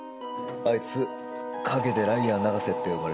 あいつ陰でライアー永瀬って呼ばれてる。